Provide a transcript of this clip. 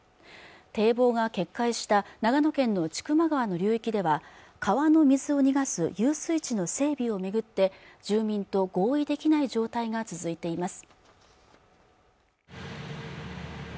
堤防が決壊した長野県の千曲川の流域では川の水を逃がす遊水地の整備を巡って住民と合意できない状態が続いています